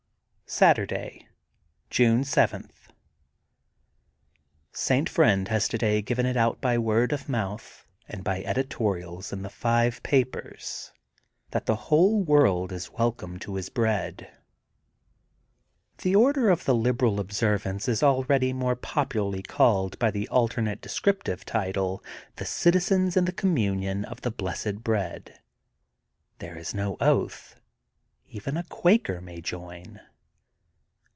'' Saturday, June 7: — St. Friend has today given it out by word of mouth and by edi torials in the five papers that the whole world is welcome to his bread. The Order of the THE GOLDEN BOOK OF SPRINGFIELD 188 Liberal Observance is already more popularly called hf the alternate descriptive title: ^*The Citizens in the Communion of the Blessed Bread. '' There is no oath ; even a Quaker may join.